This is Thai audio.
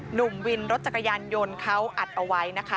หนุ่มวินรถจักรยานยนต์เขาอัดเอาไว้นะคะ